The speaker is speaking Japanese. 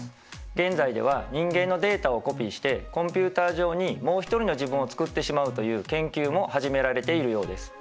現在では人間のデータをコピーしてコンピューター上にもう一人の自分を作ってしまうという研究も始められているようです。